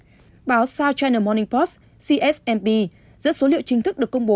theo báo south china morning post csnp giữa số liệu chính thức được công bố